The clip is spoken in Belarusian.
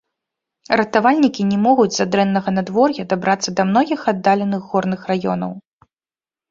Ратавальнікі не могуць з-за дрэннага надвор'я дабрацца да многіх аддаленых горных раёнаў.